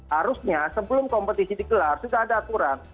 harusnya sebelum kompetisi dikelar sudah ada aturan